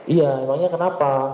iya emangnya kenapa